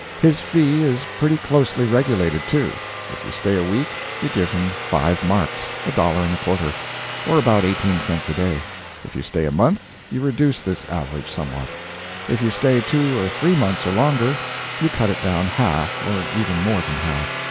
His fee is pretty closely regulated, too. If you stay a week, you give him five marks a dollar and a quarter, or about eighteen cents a day. If you stay a month, you reduce this average somewhat. If you stay two or three months or longer, you cut it down half, or even more than half.